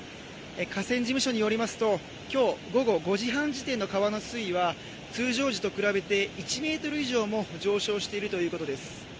河川事務所によりますと今日、午後５時半時点の川の水位は通常時と比べて１ｍ以上も上昇しているということです。